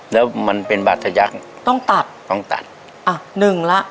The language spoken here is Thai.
แล้วมันเป็นบัตรทะยักษ์ต้องตัดต้องตัดอ่ะหนึ่งละ